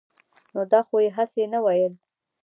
نو دا خو يې هسې نه وييل -